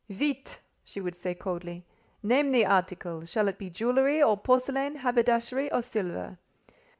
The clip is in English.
"Vite!" she would say coldly. "Name the article. Shall it be jewellery or porcelain, haberdashery or silver?"